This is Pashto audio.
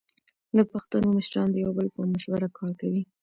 د پښتنو مشران د یو بل په مشوره کار کوي.